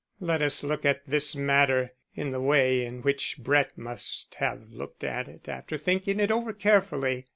Let us look at this matter in the way in which Brett must have looked at it after thinking it over carefully.